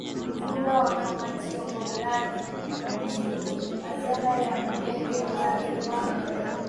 Mjumbe wa Kamati ya Uundaji wa Sera ya Elimu Zanzibar